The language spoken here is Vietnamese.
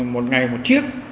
một ngày một chiếc